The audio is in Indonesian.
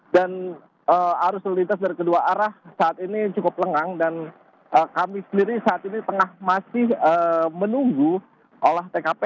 dan arus lalu lintas dari kedua arah saat ini cukup lengang dan kami sendiri saat ini tengah masih menunggu olah tkp